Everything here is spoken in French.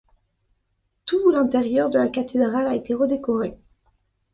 Tout l’intérieur de la cathédrale a été redécoré.